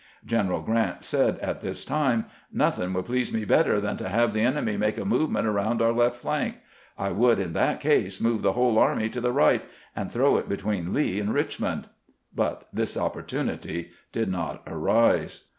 Greneral Grant said at this time :" Nothing would please me better than to have the enemy make a movement around our left flank. I would in that case move the whole army to the right, and throw it between Lee and Richmond." But this opportunity did not arise.